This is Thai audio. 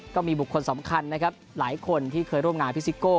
ก็มีบุคคลสำคัญนะครับหลายคนที่เคยร่วมงานพี่ซิโก้